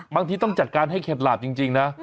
ที่ต้องจัดการให้เข็ดหลาบจริงนะ